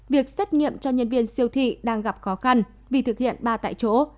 việc xét nghiệm cho nhân viên siêu thị đang gặp khó khăn vì thực hiện ba tại chỗ